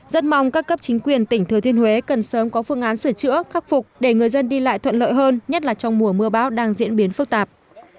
rất mong các cấp chính quyền tỉnh thừa thiên huế cần sớm có phương án sửa chữa khắc phục để người dân đi lại thuận lợi hơn nhất là trong mùa mưa bão đang diễn biến phức tạp